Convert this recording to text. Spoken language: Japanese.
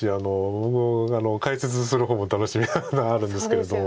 僕解説する方も楽しみがあるんですけれども。